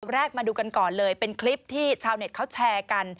มาดูกันก่อนเลยเป็นคลิปที่ชาวเน็ตเขาแชร์กัน